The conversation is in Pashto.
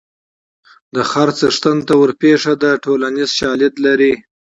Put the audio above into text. د خره څښتن ته ورپېښه ده ټولنیز شالید لري